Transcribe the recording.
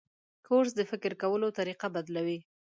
کورس د فکر کولو طریقه بدلوي.